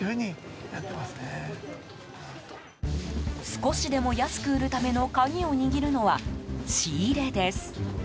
少しでも安く売るための鍵を握るのは、仕入れです。